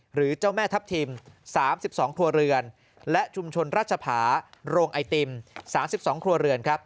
หรือเจ้าแม่ทัพทิม๓๒ครัวเรือนและชุมชนราชผาโรงไอติม๓๒ครัวเรือนครับ